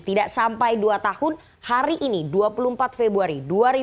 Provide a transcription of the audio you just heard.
tidak sampai dua tahun hari ini dua puluh empat februari dua ribu dua puluh